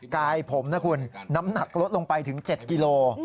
กายผมนะคุณน้ำหนักลดลงไปถึง๗กิโล